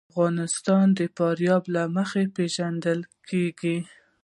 افغانستان د فاریاب له مخې پېژندل کېږي.